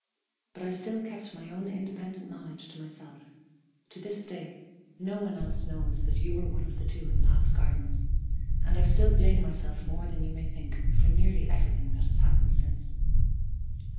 But I still kept my own independent knowledge to myself; to this day, no one else knows that you were one of the two in Palace Gardens; and I still blame myself more than you may think for nearly everything that has happened since.